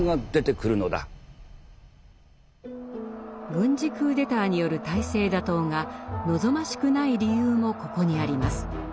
軍事クーデターによる体制打倒が望ましくない理由もここにあります。